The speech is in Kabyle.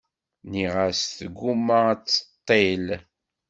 Nniɣ-as tguma ad d-teṭṭil.